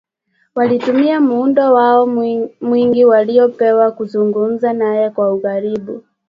Walitumia muda wao mwingi waliopewa kuzungumza naye kwa ukaribu